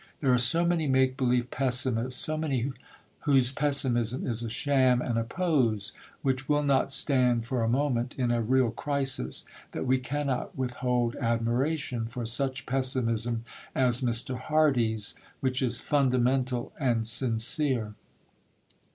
There are so many make believe pessimists, so many whose pessimism is a sham and a pose, which will not stand for a moment in a real crisis, that we cannot withhold admiration for such pessimism as Mr. Hardy's, which is fundamental and sincere.